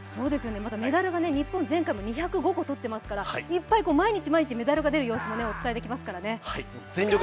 メダルが前回、日本２０５個とっていますから、いっぱい毎日毎日メダルが出る様子もお伝えできますからね。